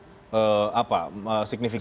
apa signifikan banyak atau bagaimana